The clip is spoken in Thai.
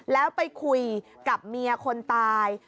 แล้วไปคุยกับเมียคนตาย